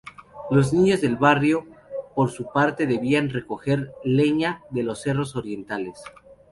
Los niños del barrio, por su parte, debían recoger leña de los cerros Orientales.